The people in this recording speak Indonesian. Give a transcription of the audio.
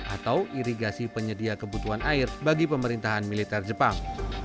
atau irigasi penyedia kebutuhan air bagi pemerintahan militer jepang